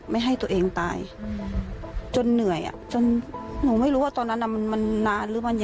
ไม่ให้ตัวเองตายจนเหนื่อยจนหนูไม่รู้ว่าตอนนั้นมันนานหรือมันเยอะ